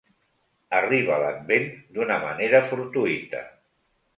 Arriba l'Advent d'una manera fortuïta.